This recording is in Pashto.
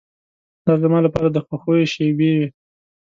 دا زما لپاره د خوښیو شېبې وې.